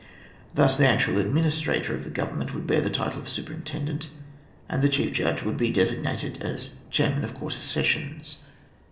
Thus the actual administrator of the Government would bear the title of Superintendent, and the chief judge would be designated as Chairman of Quarter Sessions.